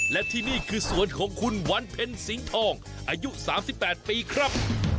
และที่นี่คือสวนของคุณวันเพ็ญสิงห์ทองอายุ๓๘ปีครับ